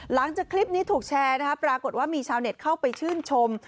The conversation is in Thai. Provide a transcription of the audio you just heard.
หลังจากคลิปนี้ถูกแชร์นะครับปรากฏว่ามีชาวเน็ตเข้าไปชื่นชม